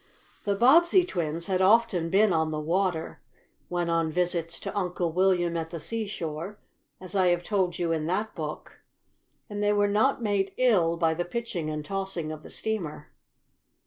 The Bobbsey twins had often been on the water, when on visits to Uncle William at the seashore, as I have told you in that book, and they were not made ill by the pitching and tossing of the steamer.